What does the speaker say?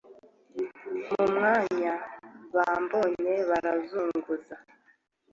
mu kanya bambonye, barazunguza